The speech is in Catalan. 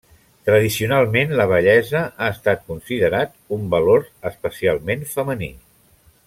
Tradicionalment la bellesa ha estat considerat un valor especialment femení.